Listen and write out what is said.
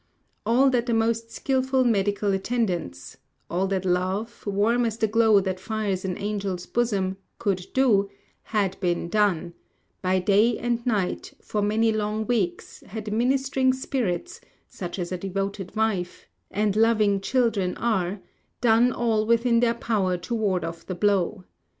All that the most skilful medical attendance all that love, warm as the glow that fires an angel's bosom, could do, had been done; by day and night, for many long weeks, had ministering spirits, such as a devoted wife; and loving children are, done all within their power to ward off the blow.